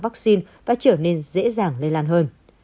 vắc xin và trở nên dễ dàng lây lan hơn